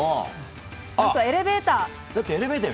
何と、エレベーター。